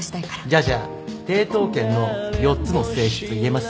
じゃあじゃあ抵当権の４つの性質言えます？